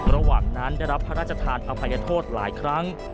ระหว่างนั้นได้รับพระราชทานอภัยโทษหลายครั้ง